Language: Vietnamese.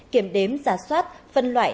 kiểm đếm giả soát phân loại